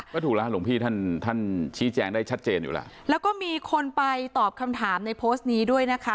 ก็ถูกแล้วหลวงพี่ท่านท่านชี้แจงได้ชัดเจนอยู่แล้วแล้วก็มีคนไปตอบคำถามในโพสต์นี้ด้วยนะคะ